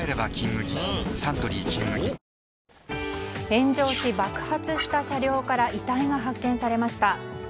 炎上し、爆発した車両から遺体が発見されました。